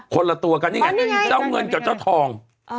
คนละตัวกันนี่ไงเจ้าเงินกับเจ้าทอง